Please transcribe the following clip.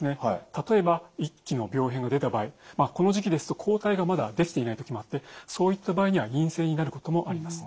例えば１期の病変が出た場合この時期ですと抗体がまだできていない時もあってそういった場合には陰性になることもあります。